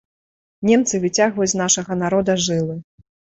Немцы выцягваюць з нашага народа жылы.